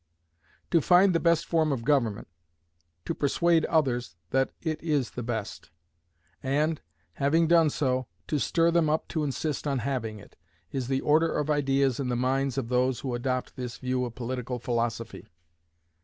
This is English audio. To find the best form of government; to persuade others that it is the best; and, having done so, to stir them up to insist on having it, is the order of ideas in the minds of those who adopt this view of political philosophy.